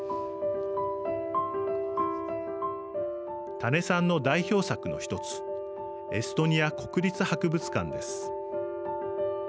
田根さんの代表作の１つエストニア国立博物館です。